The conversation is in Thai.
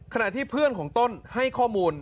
ขณะที่เพื่อนของต้นให้ข้อมูล